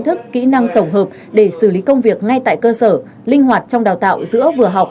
thức kỹ năng tổng hợp để xử lý công việc ngay tại cơ sở linh hoạt trong đào tạo giữa vừa học